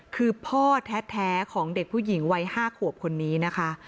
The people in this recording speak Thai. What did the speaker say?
คือพ่อแท้ของเด็กผู้หญิงวัย๕ขวบคนนี้นะคะ